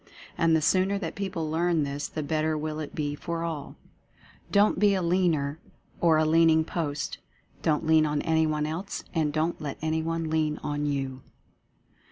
And the sooner that people learn this the better will it be for all. Don't be a Leaner, or a Leaning post. Don't lean on any one else — and don't let anyone lean on you.